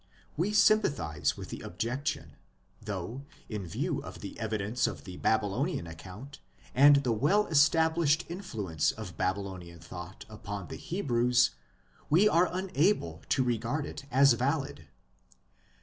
We sympathize with the objection; 200 IMMORTALITY AND THE UNSEEN WORLD though, in view of the evidence of the Babylonian account, and the well established influence of Babylonian thought upon the Hebrews, we are unable to regard it as valid.